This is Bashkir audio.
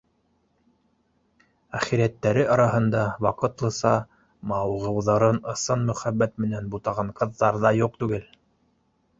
Әхирәттәре араһында ваҡытлыса мауығыуҙарын ысын мөхәббәт менән бутаған ҡыҙҙар ҙа юҡ түгел